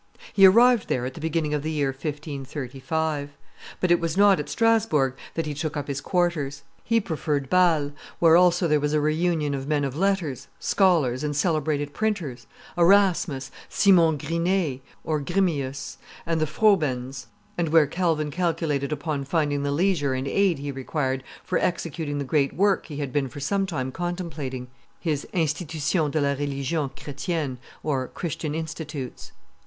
He arrived there at the beginning of the year 1535; but it was not at Strasbourg that he took up his quarters; he preferred Bale, where also there was a reunion of men of letters, scholars, and celebrated printers, Erasmus, Simon Grynee (Grymeus), and the Frobens, and where Calvin calculated upon finding the leisure and aid he required for executing the great work he had been for some time contemplating his Institution de la Religion chretienne (Christian Institutes).